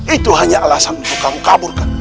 itu hanya alasan untuk kamu kabur kang